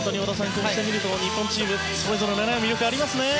こうして見ると日本チームそれぞれの魅力もありますね。